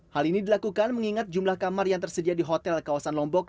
hal ini dilakukan mengingat jumlah kamar yang tersedia di hotel kawasan lombok